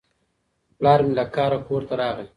پلار مې له کاره کور ته راغی.